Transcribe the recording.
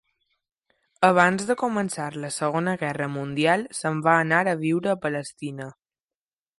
Abans de començar la Segona Guerra Mundial se'n va anar a viure a Palestina.